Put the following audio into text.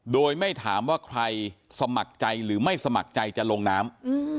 โดยไม่ถามว่าใครสมัครใจหรือไม่สมัครใจจะลงน้ำ